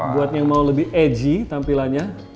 buat yang mau lebih edgy tampilannya